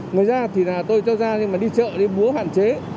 ngoài ra thì là tôi cho ra nhưng mà đi chợ đi búa hạn chế